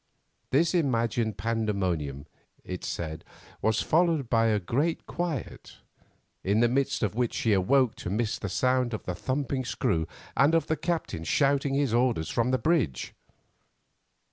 This imagined pandemonium, it said, was followed by a great quiet, in the midst of which she awoke to miss the sound of the thumping screw and of the captain shouting his orders from the bridge.